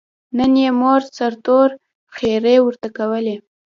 نن یې مور سرتور ښېرې ورته کولې.